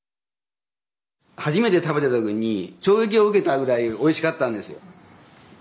初めて食べた時に衝撃を受けたぐらいおいしかったんですよ。